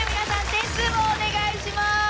点数をお願いします。